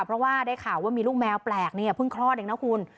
เพราะว่าได้ข่าวว่ามีลูกแมวแปลกเนี่ยเพิ่งคลอดเองนะคุณ